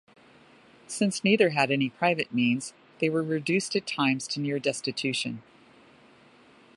Since neither had any private means, they were reduced at times to near destitution.